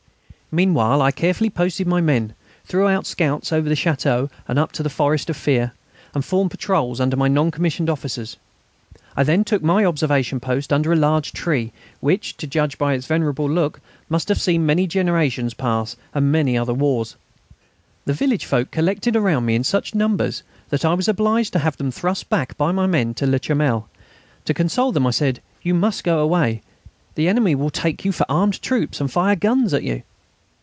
Meanwhile I carefully posted my men, threw out scouts over the plateau and up to the forest of Fère, and formed patrols under my non commissioned officers. I then took up my observation post under a large tree which, to judge by its venerable look, must have seen many generations pass and many other wars. The village folk collected around me in such numbers that I was obliged to have them thrust back by my men to Le Charmel. To console them I said: "You must go away. The enemy will take you for armed troops and fire guns at you."